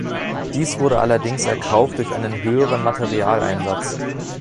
Dies wurde allerdings erkauft durch einen höheren Materialeinsatz.